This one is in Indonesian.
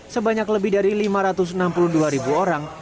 sebanyak lebih dari lima ratus enam puluh dua ribu orang